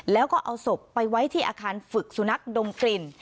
แล้วก็เอาศพไปไว้ที่อาคารฝึกสุนัขดมกลิ่น